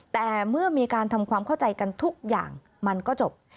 แต่เมื่อเกิดมีความเข้าใจทุกอย่างมันก็จะจบ